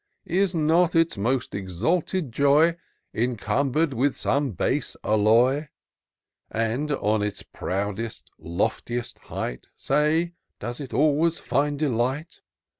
Is not its most exalted joy Encumber'd with some base alloy ? And, on its proudest, loftiest height. Say, does it always find delight